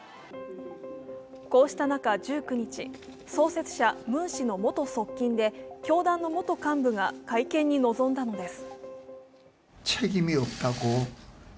こうした中、１９日、創設者ムン氏の元側近で、教団の元幹部が会見に臨んだのです。